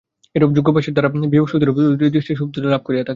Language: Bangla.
এইরূপ যোগাভ্যাসের দ্বারা বিবেকশক্তিরূপ দৃষ্টির শুদ্ধতা লাভ হইয়া থাকে।